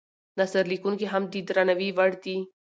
نثر لیکونکي هم د درناوي وړ دي.